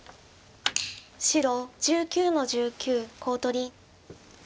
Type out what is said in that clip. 白１９の十九コウ取り。